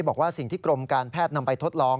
บอกว่าสิ่งที่กรมการแพทย์นำไปทดลอง